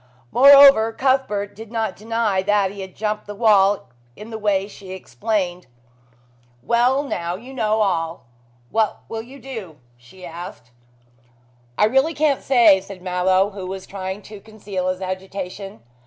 Moreover, Cuthbert did not deny that he had jumped the wall in the way she explained. "Well, now you know all, what will you do?" she asked. "I really can't say," said Mallow, who was trying to conceal his agitation.